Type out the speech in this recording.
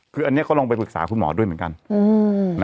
คืออันนี้เขาลองไปปรึกษาคุณหมอด้วยเหมือนกัน